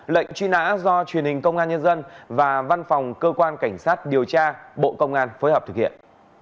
lệnh truy nã do truyền hình công an nhân dân và văn phòng cơ quan cảnh sát điều tra bộ công an phối hợp thực hiện